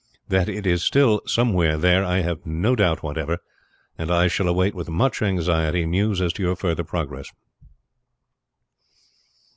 That it is still somewhere there I have no doubt whatever, and I shall await with much anxiety news as to your further progress."